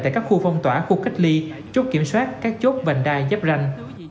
tại các khu phong tỏa khu cách ly chốt kiểm soát các chốt vành đai giáp ranh